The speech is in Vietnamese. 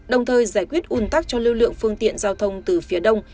đồng thời giải quyết un tắc cho lưu lượng phương tiện giao thông từ phía đông